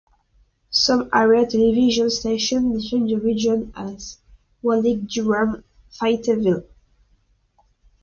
Some area television stations define the region as Raleigh-Durham-Fayetteville.